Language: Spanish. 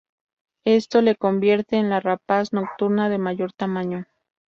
Esto le convierte en la rapaz nocturna de mayor tamaño.